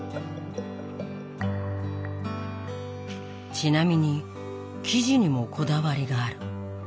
ちなみに「生地」にもこだわりがある。